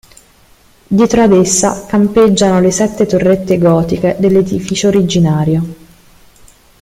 Dietro ad essa, campeggiano le sette torrette gotiche dell'edificio originario.